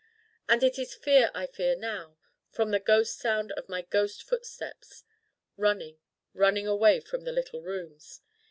And it is fear I feel now from the ghost sound of my ghost footsteps running, running away from the little Rooms.